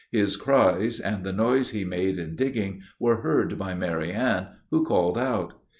His cries, and the noise he made in digging, were heard by Marianne, who called out.